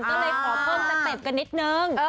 ก็เลยขอเพิ่มสเต็ปกันนิดนึง